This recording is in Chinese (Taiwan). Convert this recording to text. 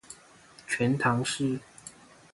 全唐詩